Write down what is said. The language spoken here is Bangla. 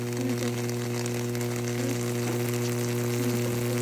তুমি তাকে মজুর নিযুক্ত কর।